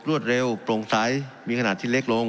รวดเร็วโปร่งใสมีขนาดที่เล็กลง